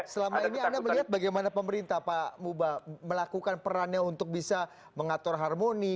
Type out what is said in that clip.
selama ini anda melihat bagaimana pemerintah pak muba melakukan perannya untuk bisa mengatur harmoni